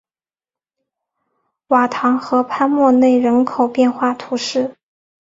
瓦唐河畔默内人口变化图示